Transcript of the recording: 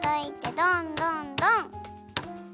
どんどんどん！